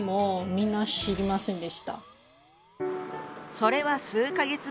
それは数か月前。